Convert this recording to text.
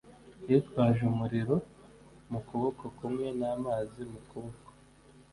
yitwaje umuriro mu kuboko kumwe n'amazi mu kuboko.